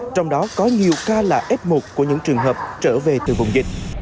trong đó có nhiều ca là f một của những trường hợp trở về từ vùng dịch